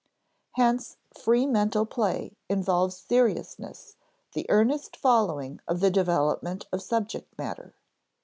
Hence free mental play involves seriousness, the earnest following of the development of subject matter.